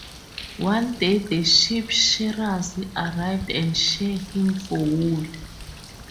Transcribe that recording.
One day the sheep-shearers arrive and shear him for wool.